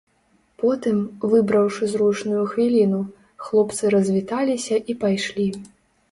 Потым, выбраўшы зручную хвіліну, хлопцы развіталіся і пайшлі.